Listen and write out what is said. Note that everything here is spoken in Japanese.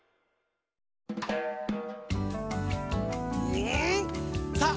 うん！さあ